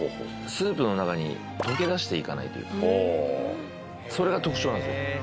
スープの中に溶け出していかないというかそれが特徴なんですよ